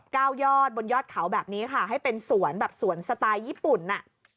ก้าวยอดบนยอดเขาแบบนี้ค่ะให้เป็นสวนสวนสไตล์ญี่ปุ่น